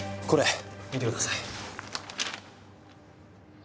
これ。